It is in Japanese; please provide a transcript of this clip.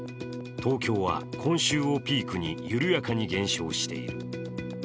東京は今週をピークに緩やかに減少している。